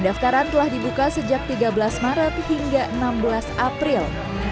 pendaftaran telah dibuka sejak tiga belas maret hingga enam belas april